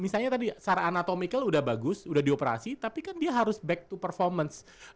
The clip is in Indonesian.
misalnya tadi secara anatomical sudah bagus sudah dioperasi tapi kan dia harus back to performance